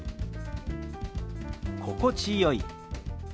「心地よい」。